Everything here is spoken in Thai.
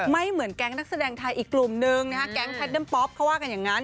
เหมือนแก๊งนักแสดงไทยอีกกลุ่มนึงนะฮะแก๊งแพทเดอร์ป๊อปเขาว่ากันอย่างนั้น